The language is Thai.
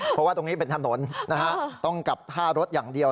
เพราะว่าตรงนี้เป็นถนนนะฮะต้องกลับท่ารถอย่างเดียว